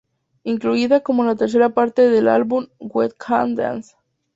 Incluida como la tercer parte del álbum ""We Can't Dance"".